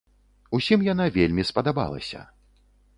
Усім яна вельмі спадабалася.